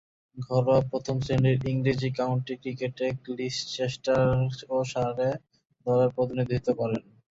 ঘরোয়া প্রথম-শ্রেণীর ইংরেজ কাউন্টি ক্রিকেটে লিচেস্টারশায়ার ও সারে দলের প্রতিনিধিত্ব করেন।